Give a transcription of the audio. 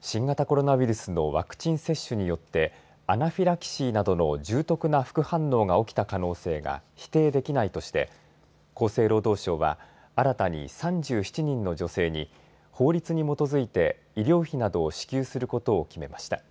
新型コロナウイルスのワクチン接種によってアナフィラキシーなどの重篤な副反応が起きた可能性が否定できないとして厚生労働省は新たに３７人の女性に法律に基づいて医療費などを支給することを決めました。